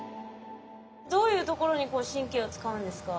どういうところに神経を使うんですか？